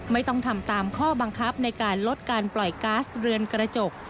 ไม่ต้องทำตามข้อบังคับในการลดการปล่อยก๊าซเรือนกระจก